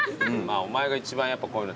お前が一番こういうの。